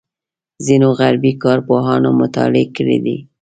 ځینو غربي کارپوهانو مطالعې کړې دي.